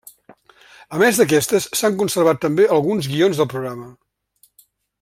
A més d'aquestes, s'han conservat també alguns guions del programa.